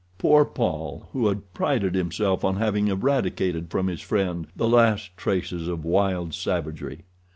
Poor Paul, who had prided himself on having eradicated from his friend the last traces of wild savagery.